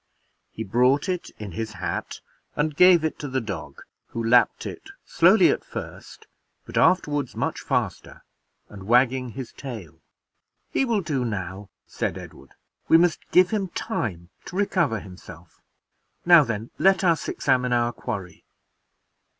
He brought it in his hat and gave it to the dog, who lapped it slowly at first, but afterward much faster, and wagging his tail. "He will do now," said Edward; "we must give him time to recover himself. Now then, let us examine our quarry.